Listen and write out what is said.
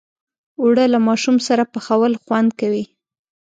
اوړه له ماشوم سره پخول خوند کوي